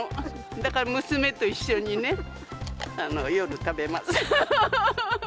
だから娘と一緒にね、夜食べます。